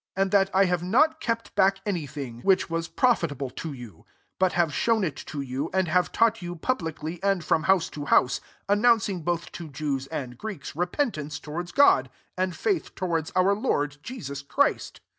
0 and that I have not kept back any thing, which &S6 ACTS XXI. was profitable to you ; but have shown it to you» and have taught you, publicly and from house to house ; 9,1 announcing both to Jews and Greeks re pentance towards God, and faith towards our Lord Jesus Christ.